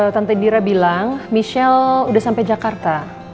tante dira bilang michelle udah sampai jakarta